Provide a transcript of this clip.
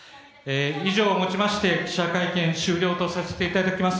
以上をもちまして記者会見終了とさせていただきます。